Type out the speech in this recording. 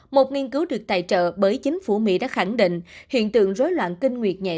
một nghiên cứu được tài trợ bởi chính phủ mỹ đã khẳng định hiện tượng rối loạn kinh nguyệt nhẹ